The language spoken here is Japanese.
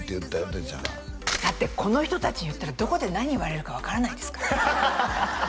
哲ちゃんがだってこの人達に言ったらどこで何言われるか分からないですからねっハハハ